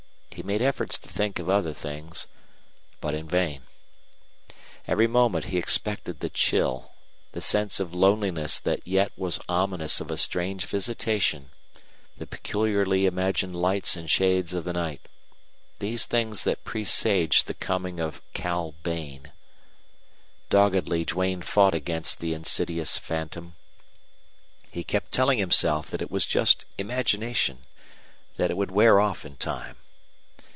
He made efforts to think of other things, but in vain. Every moment he expected the chill, the sense of loneliness that yet was ominous of a strange visitation, the peculiarly imagined lights and shades of the night these things that presaged the coming of Cal Bain. Doggedly Duane fought against the insidious phantom. He kept telling himself that it was just imagination, that it would wear off in time.